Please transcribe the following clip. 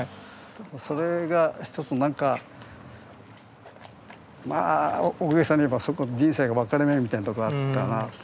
それが一つ何かまあ大げさに言えばそこ人生の分かれ目みたいなとこあったな。